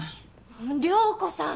涼子さん